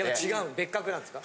別格なんですか？